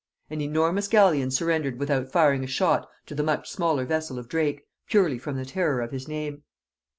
An enormous galleon surrendered without firing a shot to the much smaller vessel of Drake, purely from the terror of his name.